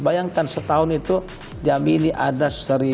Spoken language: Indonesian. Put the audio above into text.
bayangkan setahun itu jambi ini ada